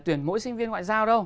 tuyển mỗi sinh viên ngoại giao